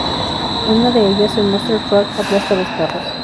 En una de ellas, el "monster truck" aplasta dos carros.